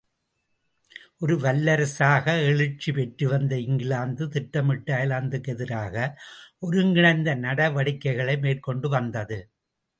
ஒரு வல்லரசாக எழுச்சி பெற்று வந்த இங்கிலாந்து திட்டமிட்டு அயர்லாந்துக்கெதிராக ஒருங்கிணைந்த நடவடிக்கைகளை மேற்கொண்டு வந்தது.